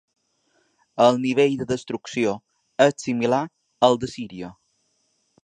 El nivell de destrucció és similar al de Síria.